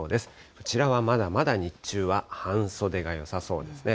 こちらはまだまだ日中は半袖がよさそうですね。